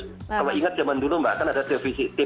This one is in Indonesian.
kalau ingat zaman dulu mbak kan ada tvi ya